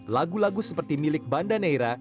lagu lagu seperti milik banda neira